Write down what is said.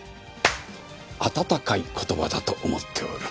温かい言葉だと思っておる。